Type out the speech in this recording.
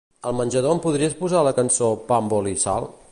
Al menjador em podries posar la cançó "Pa amb oli i sal"?